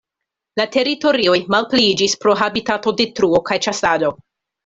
La teritorioj malpliiĝis pro habitatodetruo kaj ĉasado.